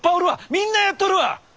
みんなやっとるわ！